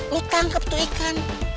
lu tangkap tuh ikan